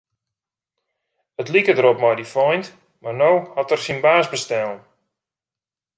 It like derop mei dy feint, mar no hat er syn baas bestellen.